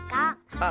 あっ！